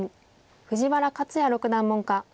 藤原克也六段門下。